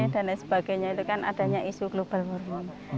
dan lain sebagainya itu kan adanya isu global warming